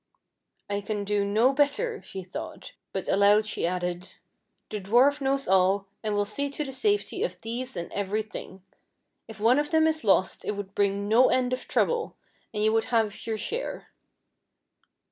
"I can do no better," she thought, but aloud she added, "the dwarf knows all and will see to the safety of these and every thing. If one of them is lost it would bring no end of trouble, and you would have your share."